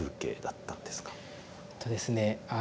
えとですね